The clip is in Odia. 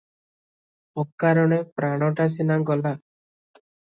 ଅକାରଣେ ପ୍ରାଣଟା ସିନା ଗଲା ।